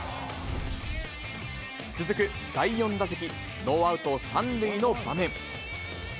続く第４打席、ノーアウト３塁の場面。